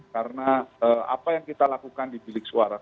karena apa yang kita lakukan di bilik suara